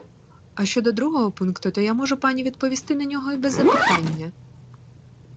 А щодо другого пункту, то я можу пані відповісти на нього і без запитання.